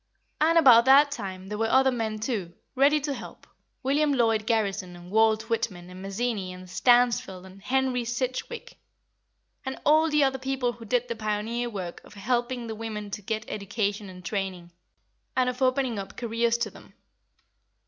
And about that time there were other men too, ready to help, William Lloyd Garrison and Walt Whitman and Mazzini and Stansfeld and Henry Sidgwick, and all the other people who did the pioneer work of helping the women to get education and training, and of opening up careers to them.